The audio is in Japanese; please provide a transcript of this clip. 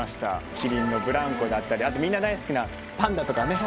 キリンのブランコだったりあとみんな大好きなパンダとかね